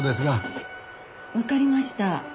わかりました。